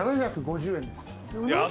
７５０円です。